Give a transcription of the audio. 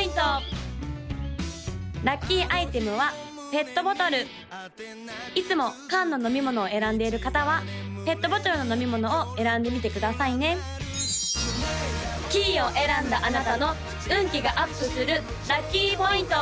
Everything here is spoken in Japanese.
・ラッキーアイテムはペットボトルいつも缶の飲み物を選んでいる方はペットボトルの飲み物を選んでみてくださいね黄を選んだあなたの運気がアップするラッキーポイント！